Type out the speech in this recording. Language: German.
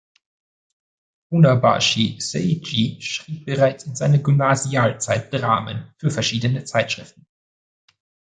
Funabashi Seiichi schrieb bereits in seiner Gymnasialzeit Dramen für verschiedene Zeitschriften.